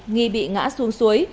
nghi bị ngã xuống suối